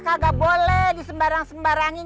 kagak boleh disembarang sembarangin